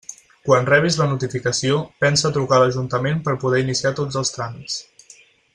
Quan rebis la notificació, pensa a trucar a l'ajuntament per poder iniciar tots els tràmits.